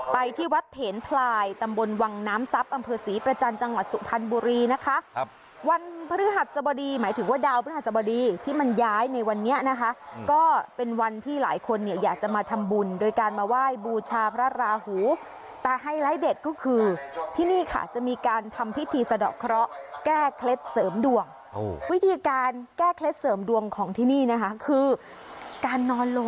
ไปที่วัดเถนพลายตำบลวังน้ำซับอำเภอศรีประจันทร์จังหวัดสุพรรณบุรีนะคะวันพฤหัสสบดีหมายถึงว่าดาวพฤหัสสบดีที่มันย้ายในวันนี้นะคะก็เป็นวันที่หลายคนเนี่ยอยากจะมาทำบุญโดยการมาไหว้บูชาพระราหูแต่ไฮไลท์เด็กก็คือที่นี่ค่ะจะมีการทำพิธีสะดอกเคราะห์แก้เคล็ดเสร